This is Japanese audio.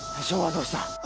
翔はどうした？